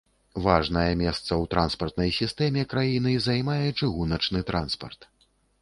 Важнае месца ў транспартнай сістэме краіны займае чыгуначны транспарт.